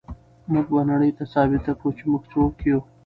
موږ به نړۍ ته ثابته کړو چې موږ څوک یو.